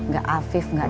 gak afif gak iko